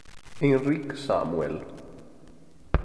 Enrique Samuel